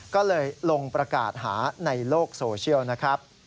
ก็เลยลงประกาศหาในโลกโซเชียลนะครับ